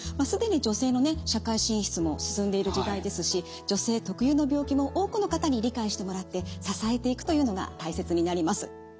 既に女性のね社会進出も進んでいる時代ですし女性特有の病気も多くの方に理解してもらって支えていくというのが大切になります。